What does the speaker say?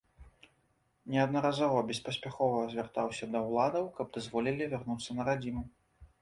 Неаднаразова беспаспяхова звяртаўся да ўладаў каб дазволілі вярнуцца на радзіму.